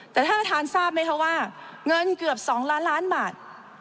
แต่ท่านประธานทราบไหมคะว่าเงินเกือบ๒ล้านล้านบาท